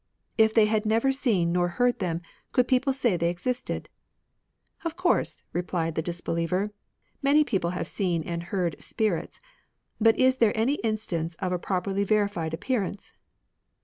If they had never seen nor heard them, could people say that they existed ?"" Of course," replied the disbeliever, " many people have seen and heard spirits ; but is there any instance of a properly verified appearance